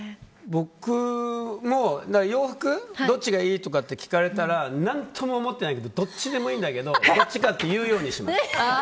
僕も、洋服どっちがいい？って聞かれたら何とも思ってないけどどっちでもいいんだけどどっちかって言うようにしています。